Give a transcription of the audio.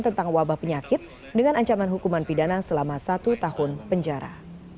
tentang wabah penyakit dengan ancaman hukuman pidana selama satu tahun penjara